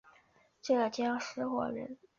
浙江石门人。